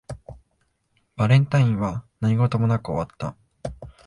バレンタインは何事もなく終わった